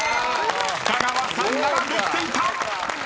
［北川さんならできていた！］